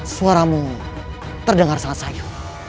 suaramu terdengar sangat sayu